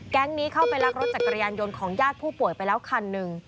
นี้เข้าไปลักรถจักรยานยนต์ของญาติผู้ป่วยไปแล้วคันหนึ่ง